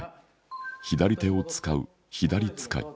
左手を遣う左遣い。